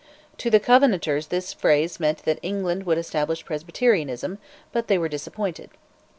To the Covenanters this phrase meant that England would establish Presbyterianism, but they were disappointed.